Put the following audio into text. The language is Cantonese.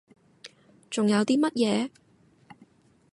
仲有啲乜嘢？